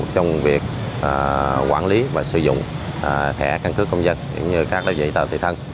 về việc quản lý và sử dụng thẻ căn cước công dân như các đơn vị tàu tùy thân